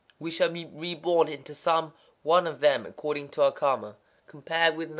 We shall be reborn into some one of them according to our karma.—Compare with No.